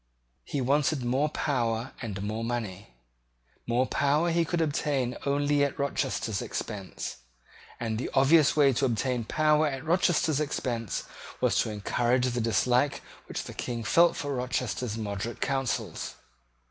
He wanted more power and more money. More power he could obtain only at Rochester's expense; and the obvious way to obtain power at Rochester's expense was to encourage the dislike which the King felt for Rochester's moderate counsels.